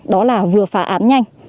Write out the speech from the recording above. đó là vừa phá án nhanh